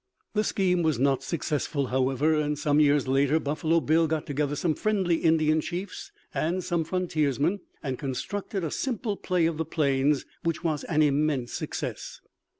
The scheme was not successful, however, and some years later Buffalo Bill got together some friendly Indian chiefs and some frontiersmen and constructed a simple play of the plains which was an immense success.